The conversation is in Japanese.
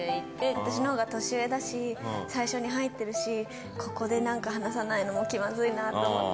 私のほうが年上だし、最初に入ってるし、ここでなんか話さないのも気まずいなぁと思って。